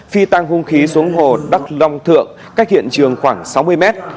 phi tăng hung khí xuống hồ đắc long thượng cách hiện trường khoảng sáu mươi mét